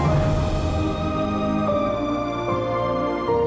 bukankah bukan feb untukdong euchin world tour